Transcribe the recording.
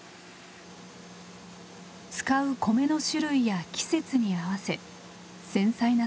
使う米の種類や季節に合わせ繊細な作業を繰り返します。